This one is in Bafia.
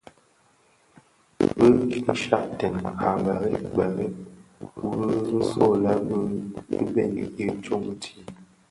Bi nshyakten a bërëg bërëg wui nso lè bi bèň i tsoň tii.